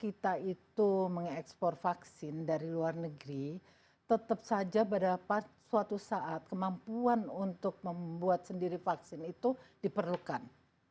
kalau kita mengeksplor vaksin dari luar negeri tetap saja pada suatu saat kemampuan untuk membuat sendiri vaksin itu diperlukan